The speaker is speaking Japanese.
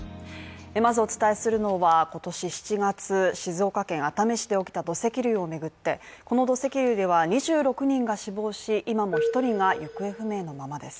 まずお伝えするのは今年７月、静岡県熱海市で起きた土石流を巡って、この土石流では２６人が死亡し、今も１人が行方不明のままです。